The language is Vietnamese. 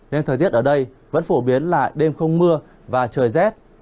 nên thời tiết ở đây vẫn phổ biến là đêm không mưa và trời rét